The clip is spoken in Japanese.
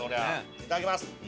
いただきます。